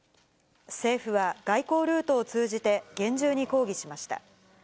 政府は外交ルートを通じて、厳重に抗議しました。